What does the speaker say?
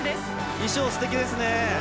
衣装、すてきですね。